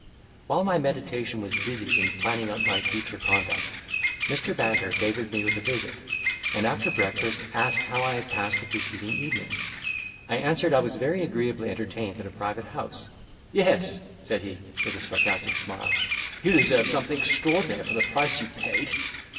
While my meditation was busied in planning out my future conduct, Mr. Banter favoured me with a visit, and after breakfast asked how I had passed the preceding evening. I answered I was very agreeably entertained at a private house. "Yes," said he, with a sarcastic smile, "you deserve something extraordinary for the price you paid."